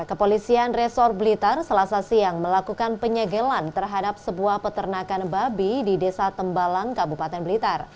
kepolisian resor blitar selasa siang melakukan penyegelan terhadap sebuah peternakan babi di desa tembalang kabupaten blitar